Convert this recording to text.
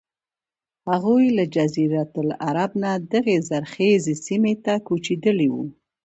هغوی له جزیرة العرب نه دغې زرخیزې سیمې ته کوچېدلي وو.